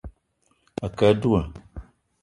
A kə á dula